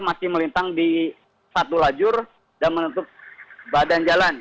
masih melintang di satu lajur dan menutup badan jalan